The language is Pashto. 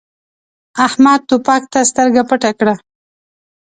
احمد توپک ته سترګه پټه کړه.